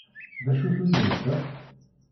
D acu-t uyennat-a?